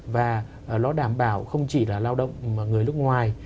và nó đảm bảo không chỉ là lao động mà người nước ngoài